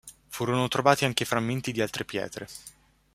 Furono trovati anche frammenti di altre pietre.